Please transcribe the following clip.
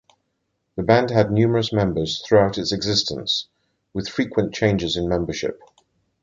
The band had numerous members throughout its existence, with frequent changes in membership.